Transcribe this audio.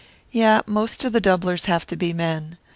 "Yeah, most of the doublers have to be men.